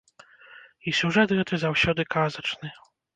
І сюжэт гэты заўсёды казачны.